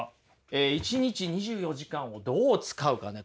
一日２４時間をどう使うかね。